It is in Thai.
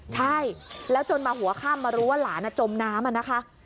ใช่แล้วจนมาหัวข้ามมารู้ว่าหลาน่ะจมน้ำ